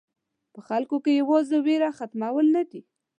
په خلکو کې یوازې وېره ختمول نه دي.